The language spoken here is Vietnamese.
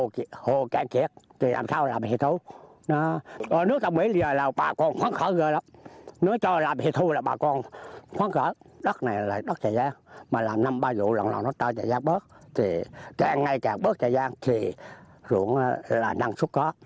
không có nước trong mỹ giờ là tháng này là hồ càng kịp